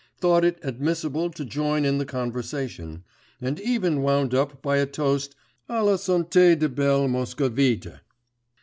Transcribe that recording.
thought it admissible to join in the conversation, and even wound up by a toast à la santé des belles Moscovites!